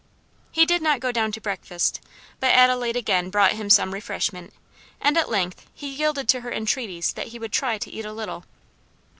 He did not go down to breakfast, but Adelaide again brought him some refreshment, and at length he yielded to her entreaties that he would try to eat a little.